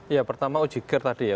ya pertama ujigir tadi ya